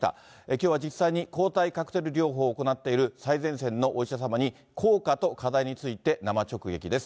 きょうは実際に抗体カクテル療法を行っている最前線のお医者様に、効果と課題について生直撃です。